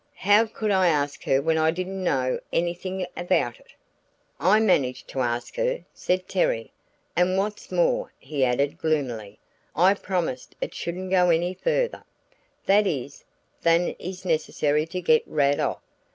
"How could I ask her when I didn't know anything about it?" "I managed to ask her," said Terry, "and what's more," he added gloomily, "I promised it shouldn't go any further that is, than is necessary to get Rad off.